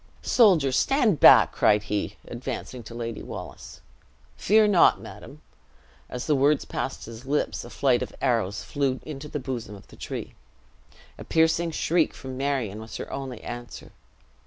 "Soldiers, stand back!" cried he, advancing to Lady Wallace. "Fear not, madam." As the words passed his lips, a flight of arrows flew into the bosom of the tree. A piercing shriek from Marion was her only answer.